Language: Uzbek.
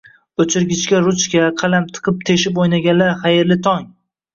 O'chirgichga ruchka, qalam tiqib teshib o'ynaganlar, xayrli tong!